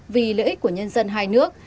vì lợi ích của nhân dân hai nước